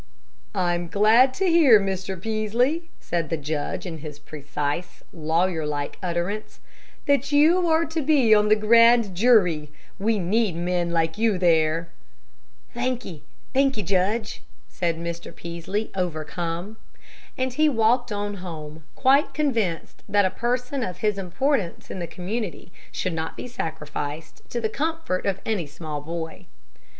"I am glad to hear, Mr. Peaslee," said the judge, in his precise, lawyer like utterance, "that you are to be on the grand jury. We need men like you there." "Thank ye, judge, thank ye," said Mr. Peaslee, overcome. And he walked on home, quite convinced that a person of his importance in the community should not be sacrificed to the comfort of any small boy.